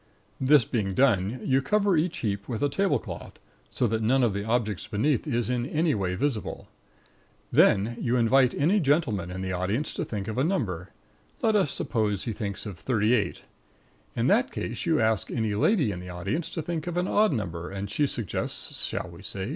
This being done, you cover each heap with a tablecloth, so that none of the objects beneath is in any way visible. Then you invite any gentleman in the audience to think of a number. Let us suppose he thinks of 38. In that case you ask any lady in the audience to think of an odd number, and she suggests (shall we say?)